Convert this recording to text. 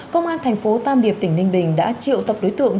công an thành phố tam điệp tỉnh ninh bình đã triệu tập đối tượng